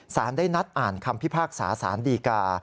สารได้นัดอ่านคำพิพากษาสารดีกา